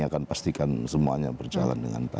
akan pastikan semuanya berjalan dengan baik